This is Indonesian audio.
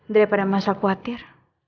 daripada masalah khawatir